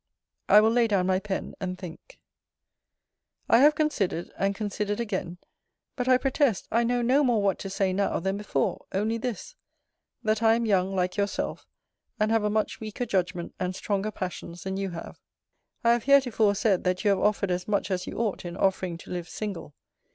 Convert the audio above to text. I will lay down my pen, and think. I have considered, and considered again; but, I protest, I know no more what to say now, than before. Only this: That I am young, like yourself; and have a much weaker judgment, and stronger passions, than you have. I have heretofore said, that you have offered as much as you ought, in offering to live single.